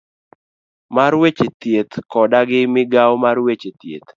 mar weche thieth koda gi migawo mar weche thieth.